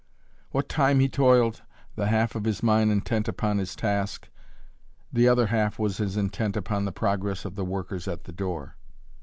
What time he toiled, the half of his mind intent upon his task, the other half was as intent upon the progress of the workers at the door.